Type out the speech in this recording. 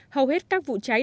hầu hết các vụ cháy nổ